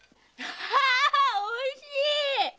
ああおいしい！